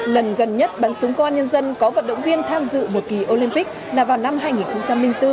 lần gần nhất bắn súng công an nhân dân có vận động viên tham dự một kỳ olympic là vào năm hai nghìn bốn